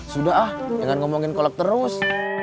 sudah ah jangan ngomongin kolak terus